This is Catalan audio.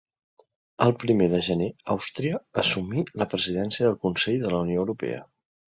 El primer de gener Àustria assumí la Presidència del Consell de la Unió Europea.